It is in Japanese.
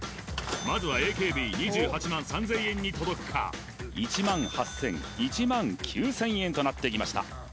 まずはＡＫＢ２８万３０００円に届くか１万８０００１万９０００円となってきました